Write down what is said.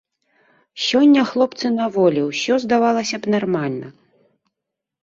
Сёння хлопцы на волі, усё, здавалася б, нармальна.